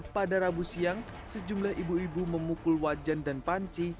pada rabu siang sejumlah ibu ibu memukul wajan dan panci